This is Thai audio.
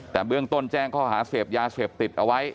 แต่เบื้องต้นแจ้งข้อหาเสพยาเสพติดเอาไว้